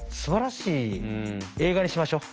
映画にしましょ。